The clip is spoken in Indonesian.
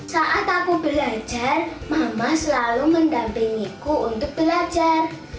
saat aku belajar mama selalu mendampingiku untuk belajar